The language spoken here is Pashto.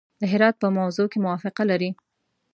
د هرات په موضوع کې موافقه لري.